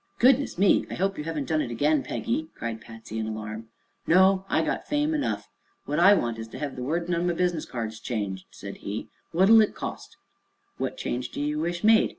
"Goodness me! I hope you haven't done it again, Peggy," cried Patsy, in alarm. "No; I got fame enough. What I want is to hev the wordin' on my business cards changed," said he. "What'll it cost?" "What change do you wish made?"